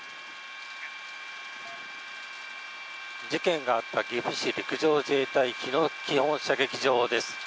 事件があった岐阜市陸上自衛隊日野基本射撃場です。